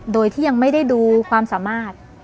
โดยที่ยังไม่ได้ดูความสามารถ